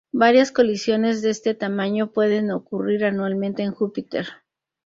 Varias colisiones de este tamaño pueden ocurrir anualmente en Júpiter.